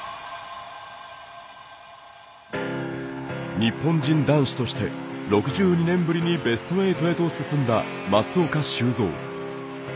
日本人男子として６２年ぶりにベスト８へと進んだ松岡修造。